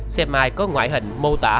xem ai có ngoại hình mô tả